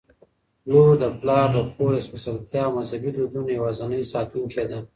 لور د پلار د کور د سپیڅلتیا او مذهبي دودونو یوازینۍ ساتونکي ده